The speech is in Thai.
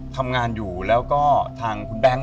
ทำงานอยู่แล้วก็ทางคุณแบงค์